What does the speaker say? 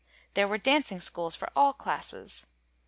There were dancing schools for all classes.